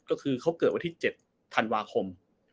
ก็คือเขาเกิดวันที่๗ธันวาคม